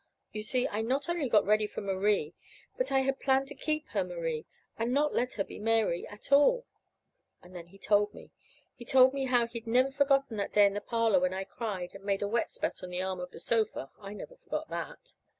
You see, I not only got ready for Marie, but I had planned to keep her Marie, and not let her be Mary at all." And then he told me. He told me how he'd never forgotten that day in the parlor when I cried (and made a wet spot on the arm of the sofa I never forgot that!)